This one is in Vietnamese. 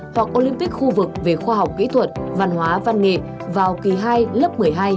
hoặc olympic khu vực về khoa học kỹ thuật văn hóa văn nghệ vào kỳ hai lớp một mươi hai